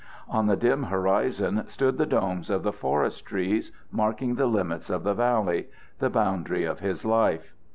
On the dim horizon stood the domes of the forest trees, marking the limits of the valley the boundary of his life.